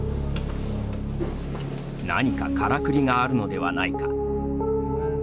何かからくりがあるのではないか。